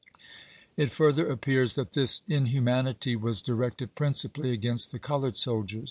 It further appears that this inhumanity was di rected principally against the colored soldiers.